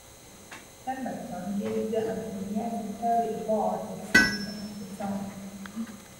Pemberton gave the Antoinette Perry Award its nickname, the Tony.